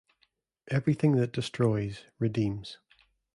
Everything that destroys, redeems.